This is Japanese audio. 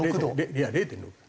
いや０．６度。